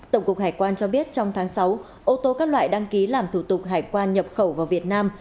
tổng cục hải quan cho biết trong tháng sáu ô tô các loại đăng ký làm thủ tục hải quan nhập khẩu vào việt nam